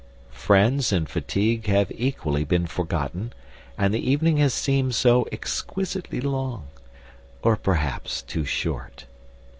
Friends and fatigue have equally been forgotten, and the evening has seemed so exquisitely long (or perhaps too short)!